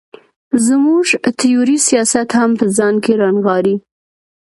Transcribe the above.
زموږ تیوري سیاست هم په ځان کې را نغاړي.